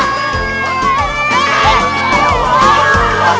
kau tak terjaga